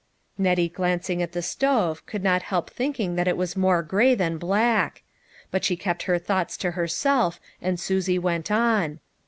Nettie glancing at the stove, could not help thinking that it was more gray than black ; but she kept her thoughts to herself, and Susie went on.